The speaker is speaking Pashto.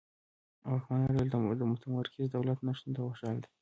واکمنه ډله د متمرکز دولت نشتون ته خوشاله ده.